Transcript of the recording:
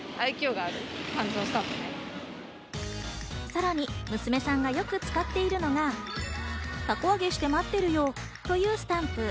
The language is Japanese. さらに娘さんがよく使っているのが、「たこあげしてまってるよ」というスタンプ。